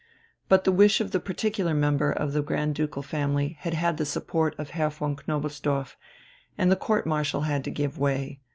But the wish of the particular member of the Grand Ducal family had had the support of Herr von Knobelsdorff, and the Court Marshal had to give way.